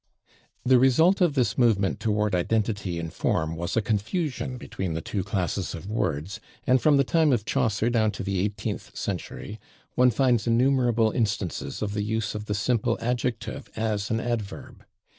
The result of this movement toward identity in form was a confusion between the two classes of words, and from the time of Chaucer down to the eighteenth century one finds innumerable instances of the use of the simple adjective as an adverb.